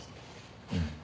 うん。